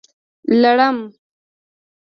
🦂 لړم